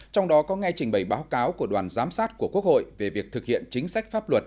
trong đó có nghe trình bày báo cáo của đoàn giám sát của quốc hội về việc thực hiện chính sách pháp luật